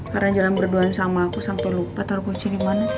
karena jalan berdua sama aku sampai lupa taruh kuncinya dimana